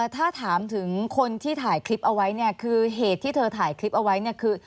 ถ้าถามถึงคนที่ถ่ายคลิปเอาไว้เนี่ยคือเหตุที่เธอถ่ายคลิปเอาไว้เนี่ยคือ